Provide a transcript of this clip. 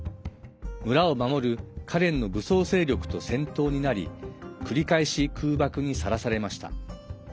村を守るカレンの武装勢力と戦闘になり繰り返し空爆にさらされました。